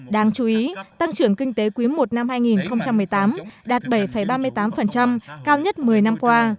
đáng chú ý tăng trưởng kinh tế quý i năm hai nghìn một mươi tám đạt bảy ba mươi tám cao nhất một mươi năm qua